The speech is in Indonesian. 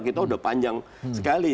kita sudah panjang sekali